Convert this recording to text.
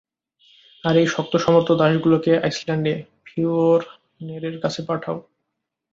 আর এই শক্তসমর্থ দাসগুলোকে আইসল্যান্ডে ফিওরনেরের কাছে পাঠাও।